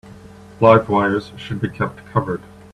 Live wires should be kept covered.